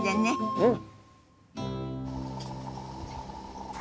うん！